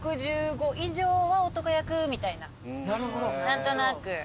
何となく。